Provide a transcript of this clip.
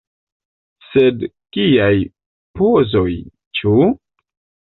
Sed kiaj pozoj, ĉu?